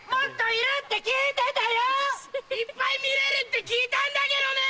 いっぱい見れるって聞いたんだけどね！